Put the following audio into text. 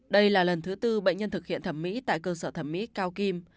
đây là lần thứ tư bệnh nhân thực hiện thẩm mỹ tại cơ sở thẩm mỹ cao kim